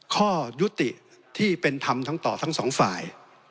ข้อยุติที่เป็นธรรมทั้งต่อทั้งสองฝ่าย